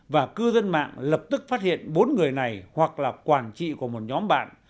và cư dân mạng lập tức phát hiện bốn người này hoặc là quản trị của một nhóm bạn